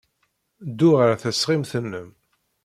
Ddu ɣer tesɣimt-nnem.